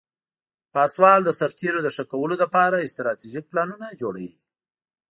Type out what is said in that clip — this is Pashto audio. پاسوال د سرتیرو د ښه کولو لپاره استراتیژیک پلانونه جوړوي.